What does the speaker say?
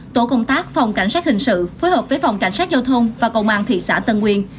tổ công tác phòng cảnh sát hình sự phối hợp với phòng cảnh sát giao thông và công an thị xã tân nguyên